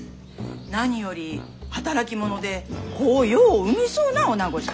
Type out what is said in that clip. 何より働き者で子をよう産みそうなおなごじゃ。